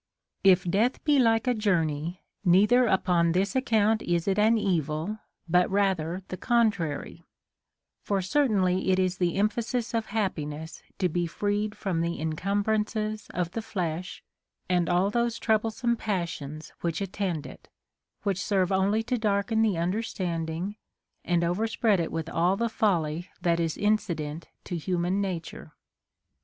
13. If death be like a journey, neither upon this account is it an evil, but rather the contrary ; for certainly it is the emphasis of happiness to be freed from the incumbrances of the flesh and all those troublesome passions which attend it, Avhich serve onlv to darken the understandini?, and over spread it with all the folly that is incident to human nature.